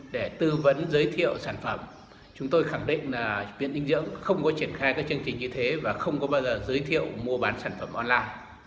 để tư vấn giới thiệu sản phẩm chúng tôi khẳng định là viện dinh dưỡng không có triển khai các chương trình như thế và không có bao giờ giới thiệu mua bán sản phẩm online